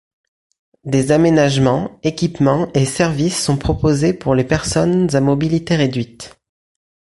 Des aménagements, équipements et services sont proposés pour les personnes à mobilité réduite.